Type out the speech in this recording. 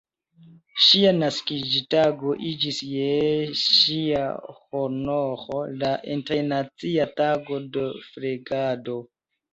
Ŝia naskiĝtago iĝis je ŝia honoro la Internacia tago de flegado.